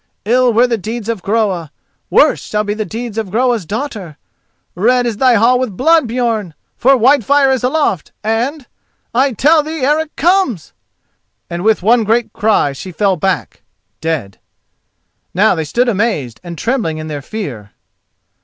Ill were the deeds of Groa—worse shall be the deeds of Groa's daughter! Red is thy hall with blood, Björn!—for Whitefire is aloft and—I tell thee Eric comes!"—and with one great cry she fell back—dead. Now they stood amazed, and trembling in their fear.